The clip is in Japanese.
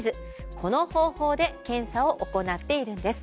この方法で検査を行っているんです。